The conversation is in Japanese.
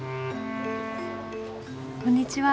こんにちは。